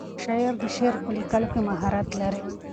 شاعر د شعر په لیکلو کې مهارت لري.